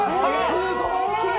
すごい！